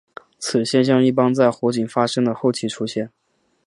此现象一般在火警发生的后期出现。